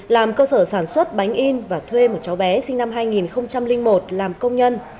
làm cơ sở sản xuất bánh in và thuê một cháu bé sinh năm hai nghìn một làm công nhân